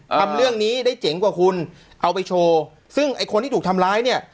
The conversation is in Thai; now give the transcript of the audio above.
ทำเรื่องนี้ได้เจ๋งกว่าคุณเอาไปโชว์ซึ่งไอ้คนที่ถูกทำร้ายเนี่ย